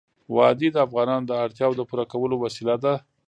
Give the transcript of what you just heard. وادي د افغانانو د اړتیاوو د پوره کولو وسیله ده.